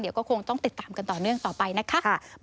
เดี๋ยวก็คงต้องติดตามกันต่อเนื่องต่อไปนะคะ